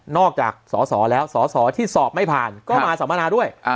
จากสอสอแล้วสอสอที่สอบไม่ผ่านก็มาสัมมนาด้วย